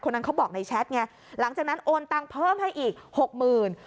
นั้นเขาบอกในแชทไงหลังจากนั้นโอนตังเพิ่มให้อีกหกหมื่น